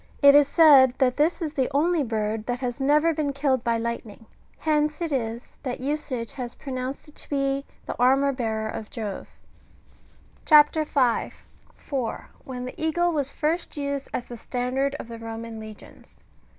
^^ It is said that this is the only bird that has never been killed by lightning ; hence it is, that usage has pronounced it to be the armour bearer of Jove. CHAP. 5. (4.) WHEN THE EAGLE WAS FLBST USED AS THE STANDAED OF THE EOMAN LEGIONS.